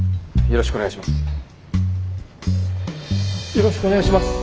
よろしくお願いします。